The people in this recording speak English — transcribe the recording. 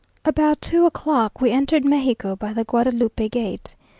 About two o'clock we entered Mexico by the Guadalupe gate.